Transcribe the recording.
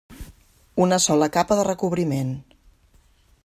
Una sola capa de recobriment.